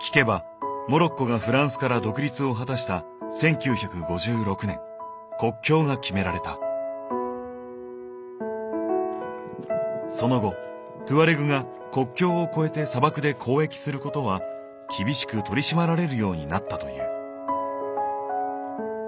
聞けばモロッコがその後トゥアレグが国境を越えて砂漠で交易することは厳しく取り締まられるようになったという。